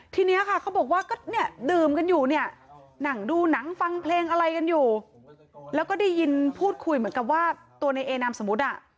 ทีนี้ค่ะเขาบอกว่าก็เนี่ยดื่มกันอยู่เนี่ยหนังดูหนังฟังเพลงอะไรกันอยู่แล้วก็ได้ยินพูดคุยเหมือนกับว่าตัวในเอนามสมมุติอ่ะ